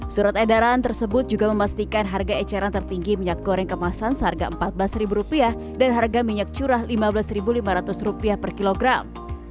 surat edaran tersebut juga memastikan harga eceran tertinggi minyak goreng kemasan seharga rp empat belas dan harga minyak curah rp lima belas lima ratus per kilogram